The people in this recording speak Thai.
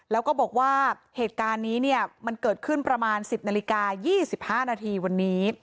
แล้วก็บอกว่าเหตุการณ์นี้เนี่ยมันเกิดขึ้นประมาณ๑๐นาฬิกา๒๕นาทีวันนี้